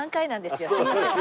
すいません。